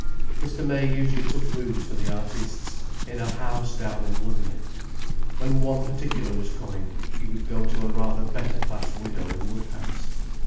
Mr. May usually took rooms for the artistes in a house down in Lumley. When any one particular was coming, he would go to a rather better class widow in Woodhouse.